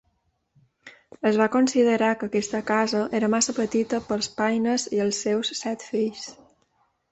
Es va considerar que aquesta casa era massa petita pels Paines i els seus set fills.